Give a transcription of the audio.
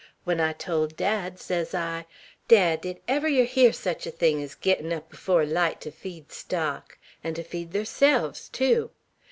When I told dad, sez I, 'Dad, did ever yer hear sech a thing uz gittin' up afore light to feed stock?' 'n' ter feed theirselves tew.